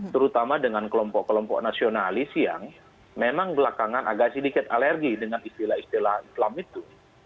terutama dengan kelompok kelompok nasionalis yang memang belakangan agak sedikit alergi dengan istilah istilah islam itu